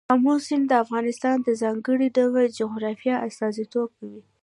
آمو سیند د افغانستان د ځانګړي ډول جغرافیه استازیتوب کوي.